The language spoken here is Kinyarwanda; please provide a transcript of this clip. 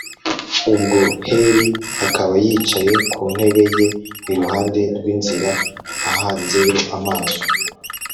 ubwo heli akaba yicaye ku ntebe ye iruhande rw'inzira ahanzeyo amaso